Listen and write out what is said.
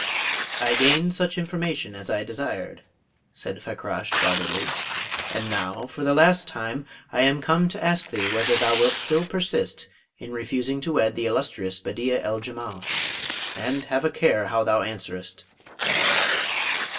"I gained such information as I desired," said Fakrash, guardedly; "and now, for the last time, I am come to ask thee whether thou wilt still persist in refusing to wed the illustrious Bedeea el Jemal? And have a care how thou answerest."